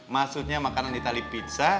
maksudnya makanan di tali pizza